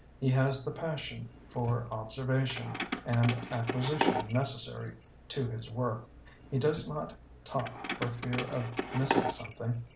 He has the pas sion for observation and acquisition necessary to his work. He does not talk for fear of missing something.